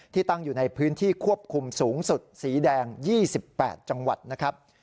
ตั้งอยู่ในพื้นที่ควบคุมสูงสุดสีแดง๒๘จังหวัดนะครับ